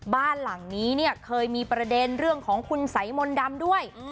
บ้านหลังนี้เนี่ยเคยมีประเด็นเรื่องของคุณสัยมนต์ดำด้วย